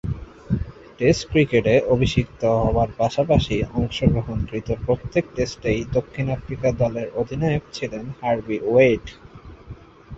Test ক্রিকেটে অভিষিক্ত হবার পাশাপাশি অংশগ্রহণকৃত প্রত্যেক টেস্টেই দক্ষিণ আফ্রিকা দলের অধিনায়ক ছিলেন হার্বি ওয়েড।